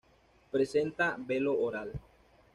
Presenta velo oral.